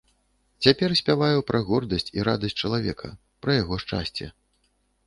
Цяпер спяваю пра гордасць і радасць чалавека, пра яго шчасце.